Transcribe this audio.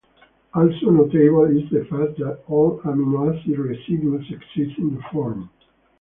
Also notable is the fact that all amino acid residues exist in the form.